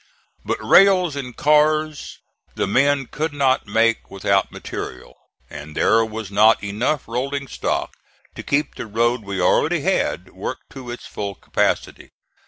But rails and cars the men could not make without material, and there was not enough rolling stock to keep the road we already had worked to its full capacity.